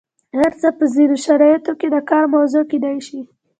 هر څه په ځینو شرایطو کې د کار موضوع کیدای شي.